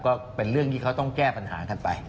ก็เป็นเรื่องที่เขาต้องแก้ปัญหากันไป